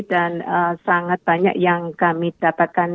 dan sangat banyak yang kami dapatkan